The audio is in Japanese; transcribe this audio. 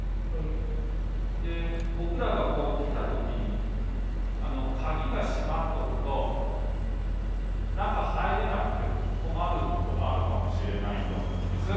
僕らがこう来た時に鍵が閉まっとると中入れなくて困ることがあるかもしれないと思うんです。